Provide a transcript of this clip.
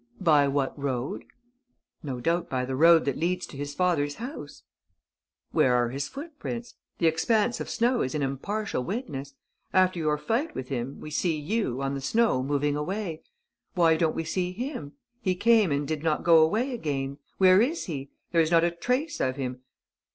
"By what road?" "No doubt by the road that leads to his father's house." "Where are his footprints? The expanse of snow is an impartial witness. After your fight with him, we see you, on the snow, moving away. Why don't we see him? He came and did not go away again. Where is he? There is not a trace of him